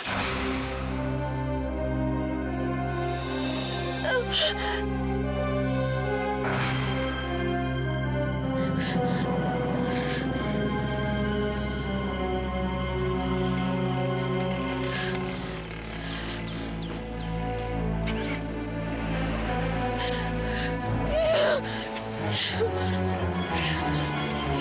jadi kau ingin pergi ke sala live sendiri